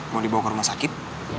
mau dibawa ke rumah sakit